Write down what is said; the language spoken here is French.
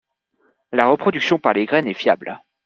La reproduction par les graines est fiable.